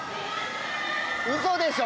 うそでしょ